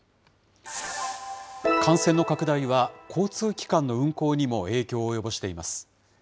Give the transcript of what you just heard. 感染の拡大は交通機関の運行にも影響を及ぼしています。